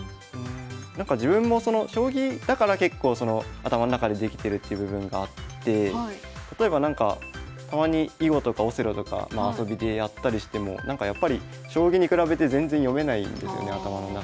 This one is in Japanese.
自分も将棋だから結構頭の中でできてるっていう部分があって例えばなんかたまに囲碁とかオセロとか遊びでやったりしてもやっぱり将棋に比べて全然読めないんですよね頭の中で。